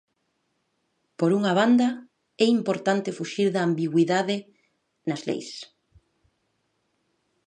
Por unha banda, é importante fuxir da ambigüidade nas leis.